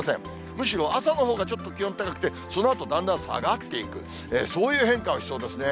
むしろ朝のほうがちょっと気温高くて、そのあとだんだん下がっていく、そういう変化をしそうですね。